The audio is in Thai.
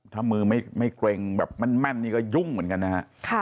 ถ้ามือไม่เกร็งแบบแม่นก็ยุ่งเหมือนกันมั้ยค่ะ